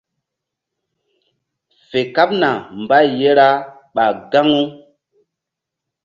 Fe kaɓna mbay ye ra ɓah gaŋu.